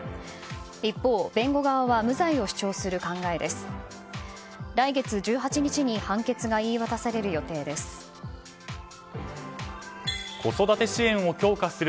一方、弁護側は無罪を主張する考えです。